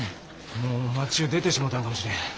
もう町ゅう出てしもうたんかもしれん。